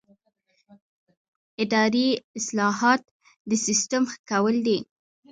اداري اصلاحات د سیسټم ښه کول دي